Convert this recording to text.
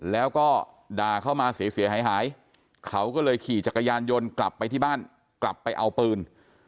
แล้วก็ด่าเข้ามาเสียหายหายเขาก็เลยขี่จักรยานยนต์กลับไปที่บ้านกลับไปเอาปืน